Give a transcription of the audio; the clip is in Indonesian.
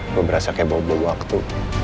gue berasa kayak bau belum waktu